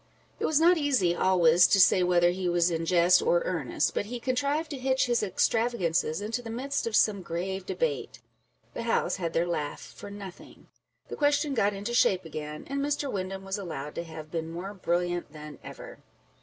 It was not easy always to say whether he was in jest or earnest â€" but he contrived to hitch his extravagances into the midst of some grave debate ; the House had their laugh for nothing ; the question got into shape again, and Mr. Windham was allowed to have been more brilliant than ever.